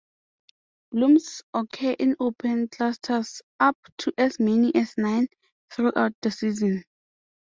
Blooms occur in open clusters, up to as many as nine, throughout the season.